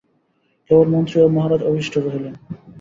কেবল মন্ত্রী ও মহারাজ অবশিষ্ট রহিলেন।